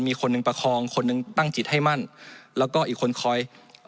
มีคนหนึ่งประคองคนหนึ่งตั้งจิตให้มั่นแล้วก็อีกคนคอย